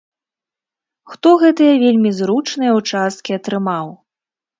Хто гэтыя вельмі зручныя ўчасткі атрымаў?